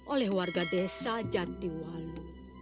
oleh warga desa jatiwalu